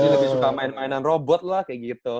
lebih suka main mainan robot lah kayak gitu